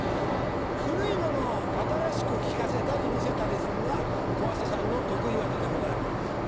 古いものを新しく聞かせたり見せたりするのは小朝さんの得意技でございます。